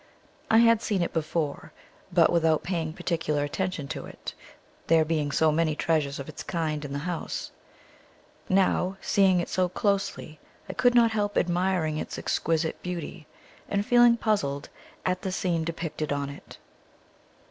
I had seen it before, but without paying particular attention to it, there being so many treasures of its kind in the house; now, seeing it so closely, I could not help admiring its exquisite beauty, and feeling puzzled at the scene depicted on it.